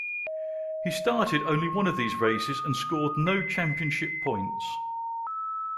He started only one of these races, and scored no championship points.